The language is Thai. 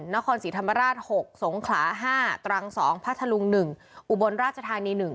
นครศรีธรรมราช๖สงขลา๕ตรัง๒พัทธลุง๑อุบลราชธานี๑